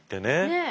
ねえ。